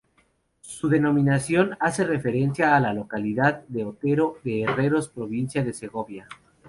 Su denominación hace referencia a la localidad de Otero de Herreros, provincia de Segovia.